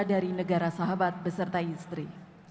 dari negara sahabat beserta istri